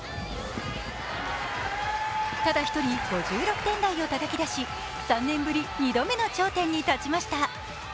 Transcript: ただ１人、５６点台をたたき出し、３年ぶり２度目の頂点に立ちました。